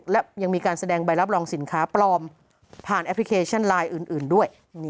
และยังมีการแสดงใบรับรองสินค้าปลอมผ่านแอปพลิเคชันไลน์อื่นด้วย